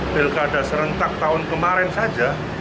pilkada serentak tahun kemarin saja